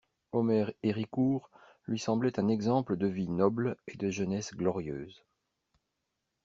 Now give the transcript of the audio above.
Omer Héricourt lui semblait un exemple de vie noble et de jeunesse glorieuse.